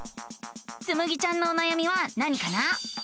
つむぎちゃんのおなやみは何かな？